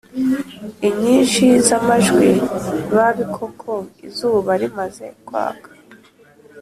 inyinshi z’amajwi mabi koko. Izuba rimaze kwaka